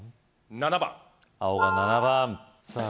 ７番青が７番さぁ